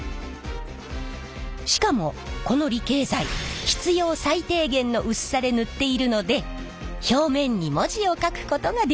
しかもこの離型剤必要最低限の薄さで塗っているので表面に文字を書くことができるのです。